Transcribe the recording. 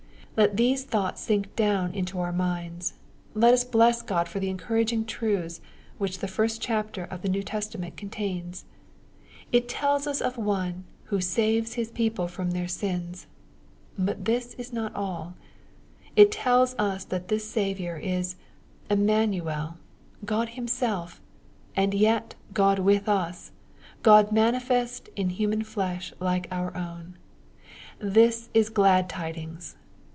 Let these thoughts sink down into our minds. Let us bless God for the encouraging truths which the first chapter of the New Testament contains. It tells us of One who ^^ saves His people from their sins/' But this is not all. It tells us that this Saviour is ^^ Emmanuel/' God Him« self, and yet God with us, — God manifest in human flesh like our own. This is glad tidings.